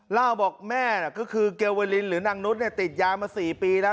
เล่าบอกแม่ก็คือเกลเวลินหรือนางนุษย์ติดยามา๔ปีแล้ว